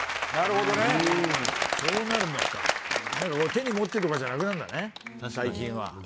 手に持ってとかじゃなくなるんだね最近は。